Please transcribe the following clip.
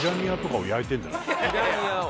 ピラニアを？